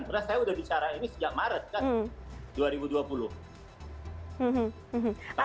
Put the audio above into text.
karena saya sudah bicara ini sejak maret kan dua ribu dua puluh